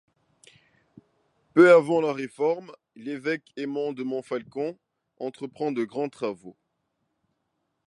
Peu avant la Réforme, l'évêque Aymon de Montfalcon entreprend de grands travaux.